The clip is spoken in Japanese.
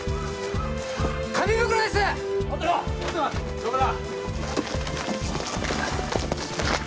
どこだ？